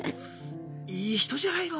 いい人じゃないの！